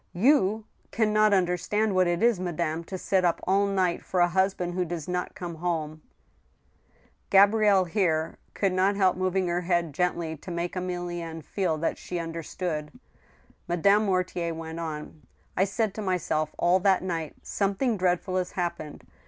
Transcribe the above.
... You can not un derstand what it is, madame, to sit up all night for a husband who does not come home !" Gabrielle here could not help moving her head gently, to make .Emilienne feel that she understood. Madame Mortier went on :" I said to myself all that night, ' Something dreadful has hap pened